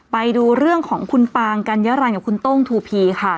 ไปดูเรื่องของคุณปางกัญญารันกับคุณโต้งทูพีค่ะ